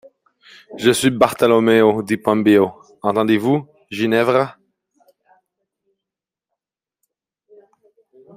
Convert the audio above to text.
Je suis Bartholoméo di Piombo, entendez-vous, Ginevra?